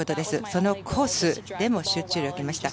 そのコースでも集中できました。